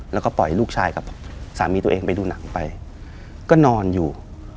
แล้วก็ปล่อยลูกชายกับสามีตัวเองไปดูหนังไปก็นอนอยู่